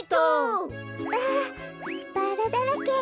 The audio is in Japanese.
わあバラだらけ。